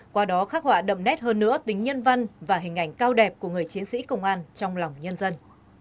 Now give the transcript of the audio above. qua đó khắc họa đậm nét hơn nữa tính nhân văn và hình ảnh cao đẹp của người chiến sĩ công an trong lòng nhân dân